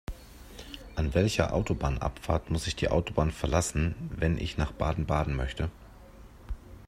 An welcher Autobahnabfahrt muss ich die Autobahn verlassen, wenn ich nach Baden-Baden möchte?